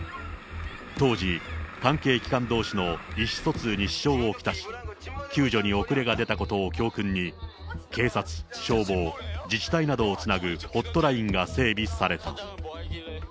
当時、関係機関どうしの意思疎通に支障を来し、救助に遅れが出たことを教訓に、警察、消防、自治体などをつなぐホットラインが整備された。